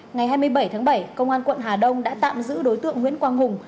ngày hai mươi bảy tháng bảy công an quận hà đông đã tạm giữ đối tượng nguyễn quang hùng